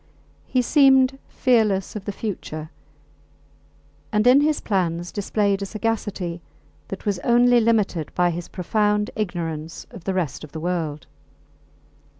He seemed fearless of the future, and in his plans displayed a sagacity that was only limited by his profound ignorance of the rest of the world.